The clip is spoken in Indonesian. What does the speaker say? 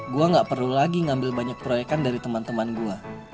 gue gak perlu lagi ngambil banyak proyekan dari teman teman gue